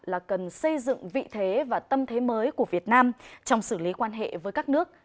là cần xây dựng vị thế và tâm thế mới của việt nam trong xử lý quan hệ với các nước